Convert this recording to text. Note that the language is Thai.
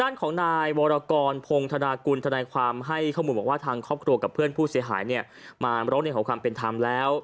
ด้านของนายวรกรพงธนากุลธนายความให้ข้อมูลบอกว่าทางครอบครัวกับเพื่อนผู้เสียหายเนี่ยมาร้องเรียนขอความเป็นธรรมแล้ว